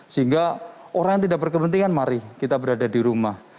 sehingga orang yang tidak berkepentingan mari kita berada di rumah